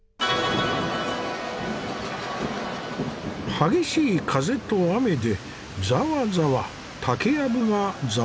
激しい風と雨でざわざわ竹やぶがざわめいている。